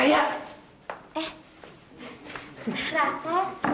terima kasih sayang